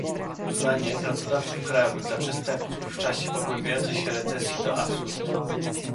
Uznawanie pracodawców krajowych za przestępców w czasie pogłębiającej się recesji to absurd